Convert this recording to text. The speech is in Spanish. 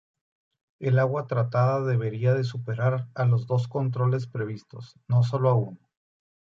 El agua tratada debería superar a los dos controles previstos, no sólo a uno.